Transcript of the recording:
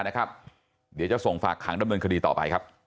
เดี๋ยวจะส่งฝากขังดำเนินคดีต่อไปครับ